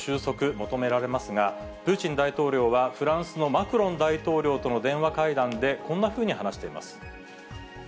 一刻も早い事態の収束、求められますが、プーチン大統領はフランスのマクロン大統領との電話会談で、こんなふうに話しています。